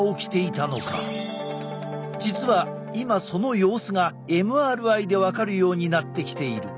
実は今その様子がＭＲＩで分かるようになってきている。